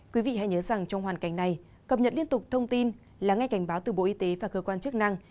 quý vị hãy nhớ rằng trong hoàn cảnh này cập nhật liên tục thông tin lắng nghe cảnh báo từ bộ y tế và cơ quan chức năng